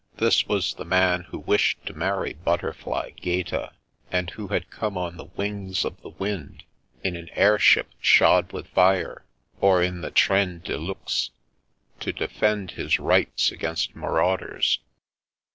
This was the man who wished to marry butterfly Gaeta, and who had come on the wings of the wind, in an airship " shod with fire," or in the train de luxe, to defend his rights against marauders.